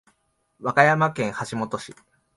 和歌山県橋本市